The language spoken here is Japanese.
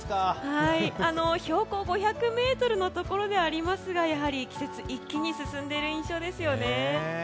標高５００ｍのところではありますがやはり季節、一気に進んでいる印象ですよね。